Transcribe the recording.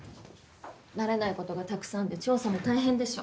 慣れないことがたくさんで調査も大変でしょ。